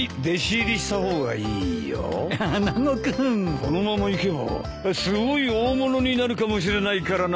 このままいけばすごい大物になるかもしれないからな。